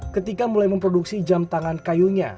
ketika mulai memproduksi jam tangan kayunya